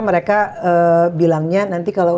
mereka bilangnya nanti kalau